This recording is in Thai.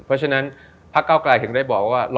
เพราะฉะนั้นพักเก้าไกลถึงได้บอกว่า